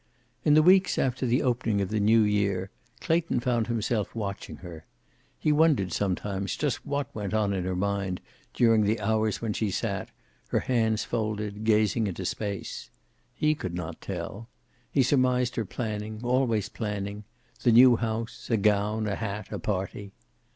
In the weeks after the opening of the new year Clayton found himself watching her. He wondered sometimes just what went on in her mind during the hours when she sat, her hands folded, gazing into space. He could not tell. He surmised her planning, always planning; the new house, a gown, a hat, a party.